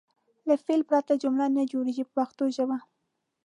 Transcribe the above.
له فعل پرته جمله نه جوړیږي په پښتو ژبه.